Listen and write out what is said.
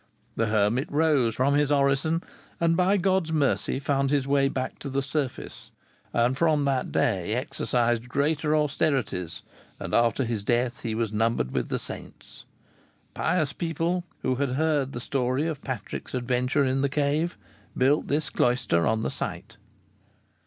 The hermit rose from his orison, and by God's mercy found his way back to the surface, and from that day exercised greater austerities, and after his death he was numbered with the saints. Pious people, who had heard the story of Patrick's adventure in the cave, built this cloister on the site."